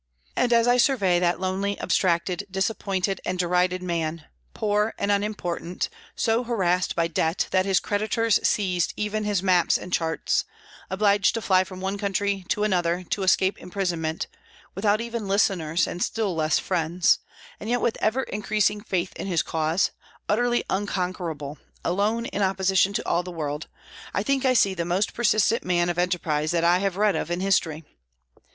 And as I survey that lonely, abstracted, disappointed, and derided man, poor and unimportant, so harassed by debt that his creditors seized even his maps and charts, obliged to fly from one country to another to escape imprisonment, without even listeners and still less friends, and yet with ever increasing faith in his cause, utterly unconquerable, alone in opposition to all the world, I think I see the most persistent man of enterprise that I have read of in history.